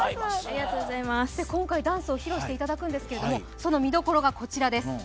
今回、ダンスを披露していただくんですけど、その見どころがこちらです。